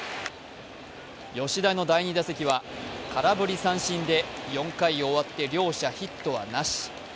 吉田の第２打席は空振り三振で４回終わって両者ヒットはなし。